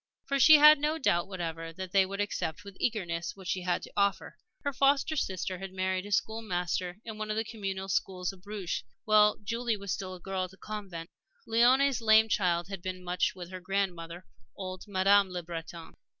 For she had no doubt whatever that they would accept with eagerness what she had to offer. Her foster sister had married a school master in one of the Communal schools of Bruges while Julie was still a girl at the convent. Léonie's lame child had been much with her grandmother, old Madame Le Breton.